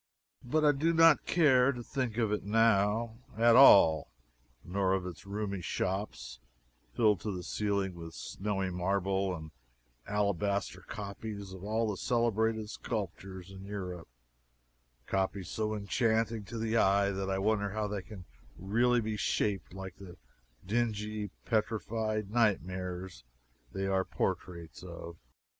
But I do not care to think of it now, at all, nor of its roomy shops filled to the ceiling with snowy marble and alabaster copies of all the celebrated sculptures in Europe copies so enchanting to the eye that I wonder how they can really be shaped like the dingy petrified nightmares they are the portraits of.